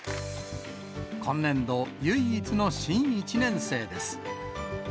今年度、唯一の新１年生です。